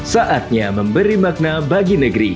saatnya memberi makna bagi negeri